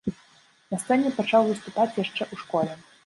На сцэне пачаў выступаць яшчэ ў школе.